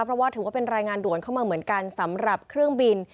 เพราะว่าถือว่าเป็นรายงานด่วนเข้ามาเหมือนกันสำหรับเครื่องบิน